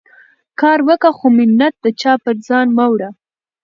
کار وکه، خو مینت د چا پر ځان مه وړه.